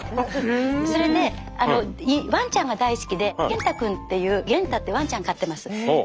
それでワンちゃんが大好きでゲンタくんっていうゲンタってワンちゃん飼ってます。